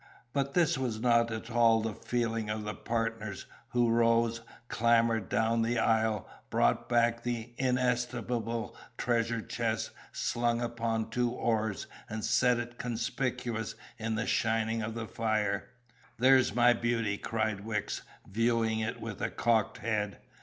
But this was not at all the feeling of the partners, who rose, clambered down the isle, brought back the inestimable treasure chest slung upon two oars, and set it conspicuous in the shining of the fire. "There's my beauty!" cried Wicks, viewing it with a cocked head.